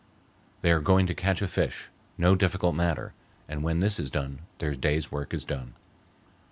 They are going to catch a fish, no difficult matter, and when this is done their day's work is done.